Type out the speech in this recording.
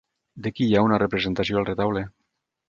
De qui hi ha una representació al retaule?